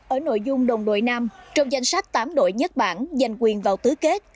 ở nội dung đồng đội nam trong danh sách tám đội nhất bản giành quyền vào tứ kết